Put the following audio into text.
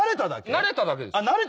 慣れただけです。